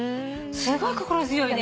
すごい心強いね。